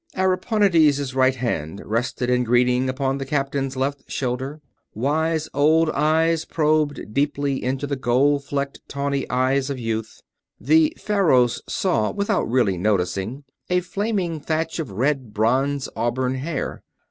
Ariponides' right hand rested in greeting upon the captain's left shoulder, wise old eyes probed deeply into gold flecked, tawny eyes of youth; the Faros saw, without really noticing, a flaming thatch of red bronze auburn hair.